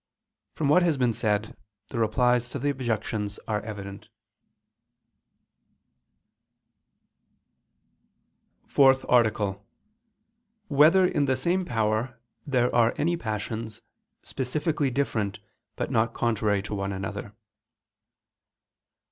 From what has been said the replies to the objections are evident. ________________________ FOURTH ARTICLE [I II, Q. 23, Art. 4] Whether in the Same Power, There Are Any Passions, Specifically Different, but Not Contrary to One Another?